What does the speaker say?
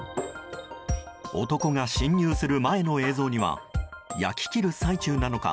男が侵入する前の映像には焼き切る最中なのか